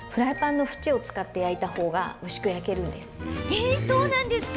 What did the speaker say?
え、そうなんですか？